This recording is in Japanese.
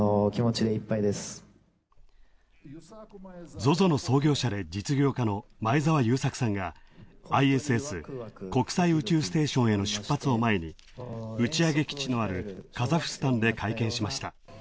ＺＯＺＯの創業者で実業家の前澤友作さんが、ＩＳＳ＝国際宇宙ステーションへの出発を前に、打ち上げ基地のあるカザフスタンで会見しました。